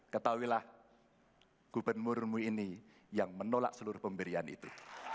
ketahuilah gubernurmu ini yang menolak seluruh pemberian itu